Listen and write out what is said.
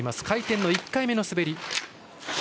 回転１回目の滑り。